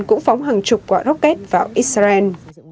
chụp quả rocket vào israel